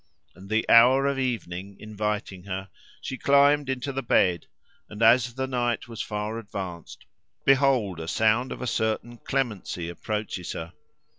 And the hour of evening inviting her, she climbed into the bed; and as the night was far advanced, behold a sound of a certain clemency approaches her.